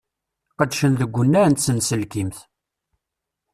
Qedcen deg unnar n tsenselkimt.